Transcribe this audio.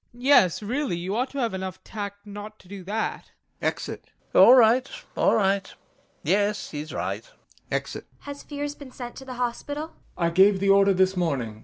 TROFIMOV. Yes, really, you ought to have enough tact not to do that. [Exit.] LOPAKHIN, All right, all right... yes, he's right. [Exit.] ANYA. Has Fiers been sent to the hospital? YASHA. I gave the order this morning.